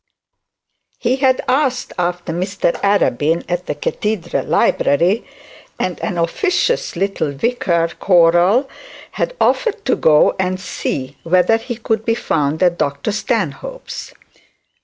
He had asked after Mr Arabin at the cathedral library, and an officious little vicar choral had offered to go and see whether he could be found at Dr Stanhope's.